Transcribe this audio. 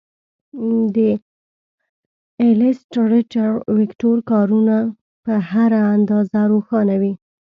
د ایلیسټریټر ویکتور کارونه په هر اندازه روښانه وي.